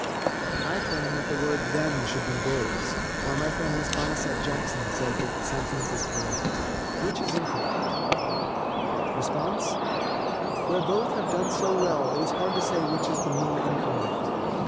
"I claim that the word 'them' should be 'those,' while my friend Miss Bonesette Jackson says that the sentence is correct. Which is incorrect?" Where both have done so well it is hard to say which is the more incorrect.